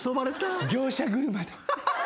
業者車で。